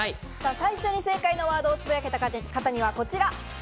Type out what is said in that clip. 最初に正解のワードをつぶやけた方には、こちら。